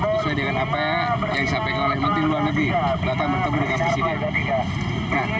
sesuai dengan apa yang disampaikan oleh menteri luar negeri bahkan bertemu dengan presiden